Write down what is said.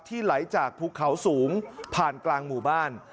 ไหลจากภูเขาสูงผ่านกลางหมู่บ้าน